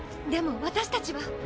でも私たちは。